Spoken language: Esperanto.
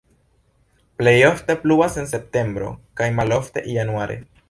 Plej ofte pluvas en septembro, plej malofte januare.